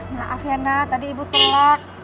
maaf ya nak tadi ibu telat